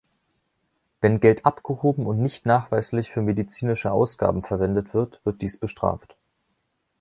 Wenn Geld abgehoben und nicht nachweislich für medizinische Ausgaben verwendet wird, wird dies bestraft.